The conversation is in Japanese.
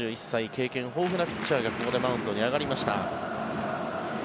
経験豊富なピッチャーがここでマウンドに上がりました。